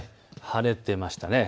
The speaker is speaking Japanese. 晴れていましたね。